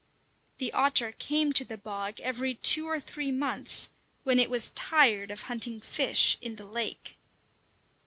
The otter came to the bog every two or three months, when it was tired of hunting fish in the lake.